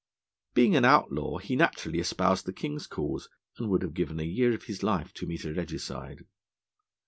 Being an outlaw, he naturally espoused the King's cause, and would have given a year of his life to meet a Regicide.